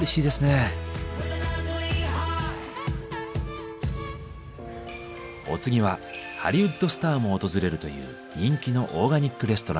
お次はハリウッドスターも訪れるという人気のオーガニックレストランへ。